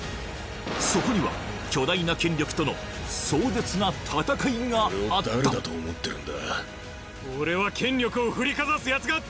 そこには巨大な権力との壮絶な戦いがあった俺を誰だと思ってるんだ？